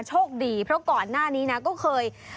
โชคดีเพราะก่อนหน้านี้นะก็เคย